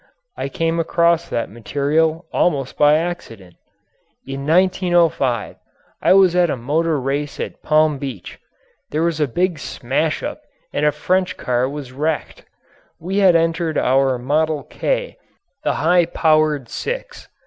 I came across that material almost by accident. In 1905 I was at a motor race at Palm Beach. There was a big smash up and a French car was wrecked. We had entered our "Model K" the high powered six.